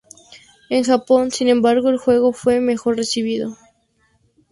En Japón, sin embargo, el juego fue mejor recibido.